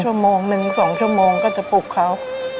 ชั่วโมงหนึ่ง๒ชั่วโมงก็จะปลุกเขา